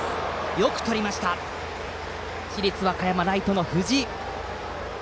よくとりました市立和歌山、ライトの藤井。